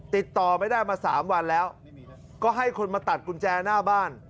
ติดต่อไม่ได้มา๓วันแล้วก็ให้คนมาตัดกุญแจหน้าบ้าน